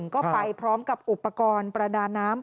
ก็ไปพร้อมกับอุปกรณ์ประดาน้ำ